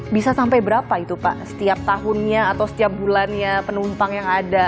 bisa sampai berapa itu pak setiap tahunnya atau setiap bulannya penumpang yang ada